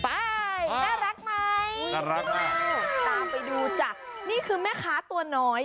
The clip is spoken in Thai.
น่ารักไหมน่ารักแล้วตามไปดูจ้ะนี่คือแม่ค้าตัวน้อย